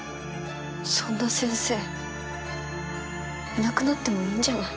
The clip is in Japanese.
そんな先生いなくなってもいいんじゃない？